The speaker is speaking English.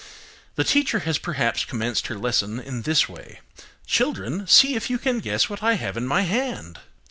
The teacher has perhaps commenced her lesson in this way:– "Children, see if you can guess what I have in my hand!"